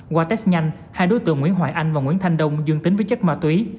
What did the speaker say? qua test nhanh hai đối tượng nguyễn hoài anh và nguyễn thanh đông dương tính với chất ma túy